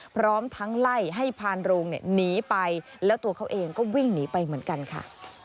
พร้อมทั้งไล่ให้พานโรงหนีไปแล้วตัวเขาเองก็วิ่งหนีไปเหมือนกันค่ะ